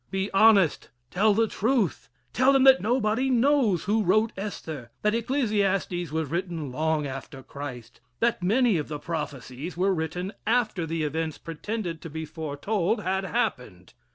Be honest, tell the truth. Tell them that nobody knows who wrote Esther that Ecclesiastes was written long after Christ that many of the prophecies were written after the events pretended to be foretold had happened.